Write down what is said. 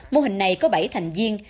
mô hình này có bảy thành viên